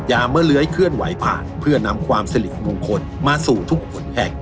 เมื่อเลื้อยเคลื่อนไหวผ่านเพื่อนำความสิริมงคลมาสู่ทุกคนแห่ง